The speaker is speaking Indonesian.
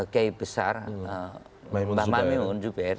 kei besar mbah mahmud zubair